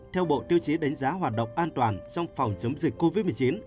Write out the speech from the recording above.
theo bộ tiêu chí đánh giá hoạt động an toàn trong phòng chống dịch covid một mươi chín